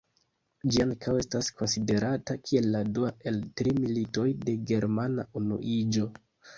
Ĝi ankaŭ estas konsiderata kiel la dua el tri Militoj de Germana Unuiĝo.